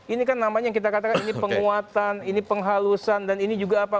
ini kan namanya yang kita katakan ini penguatan ini penghalusan dan ini juga apa